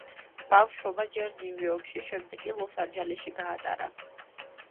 ბავშვობა ჯერ ნიუ-იორკში, შემდეგ კი ლოს-ანჯელესში გაატარა.